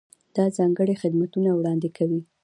دا ځانګړي خدمتونه وړاندې کوي.